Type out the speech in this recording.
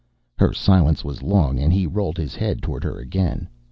Her silence was long, and he rolled his head toward her again.